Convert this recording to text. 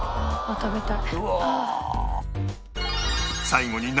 食べたい。